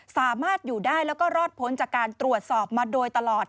สามารถอยู่ได้แล้วก็รอดพ้นจากการตรวจสอบมาโดยตลอด